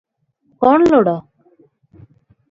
କ’ଣ ଲୋଡ଼ା?